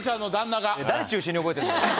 誰中心に覚えてんの？